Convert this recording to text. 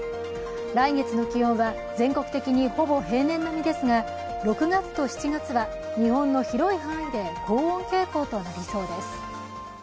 来月の気温は全国的にほぼ平年並みですが６月と７月は日本の広い範囲で高温傾向となりそうです。